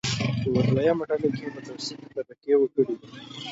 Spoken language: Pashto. په دویمه ډله کې متوسطې طبقې وګړي دي.